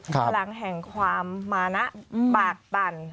พลังแห่งความมานะปากปั่น